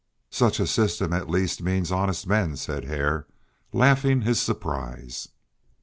"Such a system at least means honest men," said Hare, laughing his surprise.